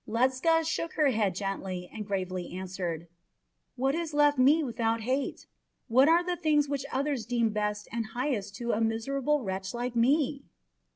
Ledscha shook her head gently, and gravely answered: "What is left me without hate? What are the things which others deem best and highest to a miserable wretch like me?"